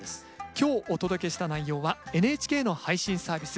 今日お届けした内容はＮＨＫの配信サービス